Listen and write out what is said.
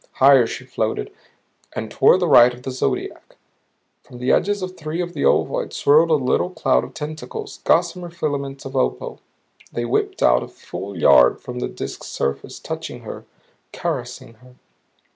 Higher she floated, and toward the right of the zodiac. From the edges of three of the ovoids swirled a little cloud of tentacles, gossamer filaments of opal. They whipped out a full yard from the Disk's surface, touching her, caressing her.